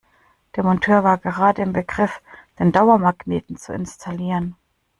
Der Monteur war gerade in Begriff, den Dauermagneten zu installieren.